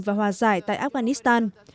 và hòa giải tại afghanistan